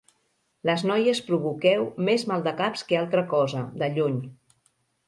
Les noies provoqueu més maldecaps que cap altra cosa, de lluny.